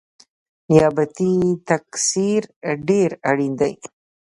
نباتي تکثیر ډیر اړین دی